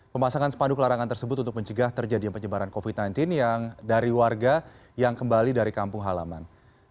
pemasangan sepanduk larangan tersebut untuk mencegah terjadi penyebaran covid sembilan belas yang dari warga yang kembali dari kampung halaman